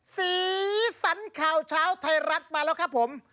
สีสันข่าวเช้าไทยรัฐมาแล้วครับผม